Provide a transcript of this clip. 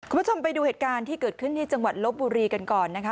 คุณผู้ชมไปดูเหตุการณ์ที่เกิดขึ้นที่จังหวัดลบบุรีกันก่อนนะคะ